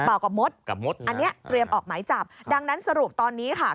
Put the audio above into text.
กับมดกับมดอันเนี้ยเตรียมออกหมายจับดังนั้นสรุปตอนนี้ค่ะ